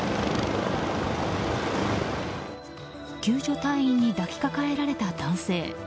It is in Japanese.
救助隊員に抱きかかえられた男性。